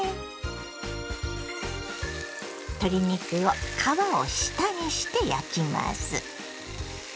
鶏肉を皮を下にして焼きます。